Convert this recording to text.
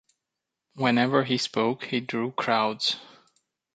Whenever he spoke, he drew crowds.